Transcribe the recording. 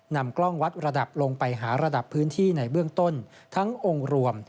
นำกล้องวัดระดับลงไปหาระดับพื้นที่ในเบื้องต้นทั้งองค์รวม